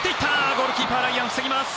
ゴールキーパー、ライアン防ぎます。